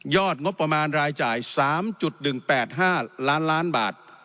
งบประมาณรายจ่าย๓๑๘๕ล้านล้านบาท